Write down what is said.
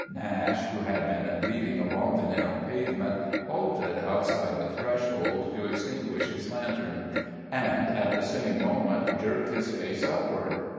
Nashe, who had been leading along the narrow pavement, halted outside the threshold to extinguish his lantern; and at the same moment jerked his face upward.